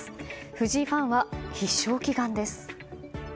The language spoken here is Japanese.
藤井ファンは必勝祈願です。